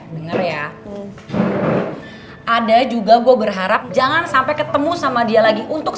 dengar ya ada juga gue berharap jangan sampai ketemu sama dia lagi untuk